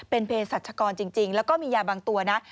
เป็นเพศรัชกรจริงแล้วก็มียาบางตัวนะ